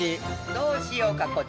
どうしようかコチ。